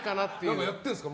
何かやってるんですか？